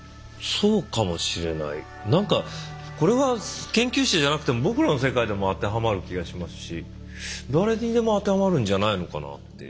なんかこれは研究者じゃなくても僕らの世界でも当てはまる気がしますし誰にでも当てはまるんじゃないのかなって。